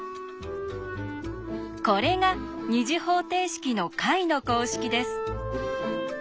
これが２次方程式の解の公式です。